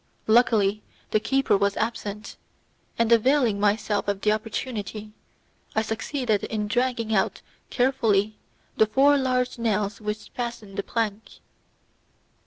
Luckily the keeper was absent, and availing myself of the opportunity, I succeeded in dragging out carefully the four large nails which fastened the plank.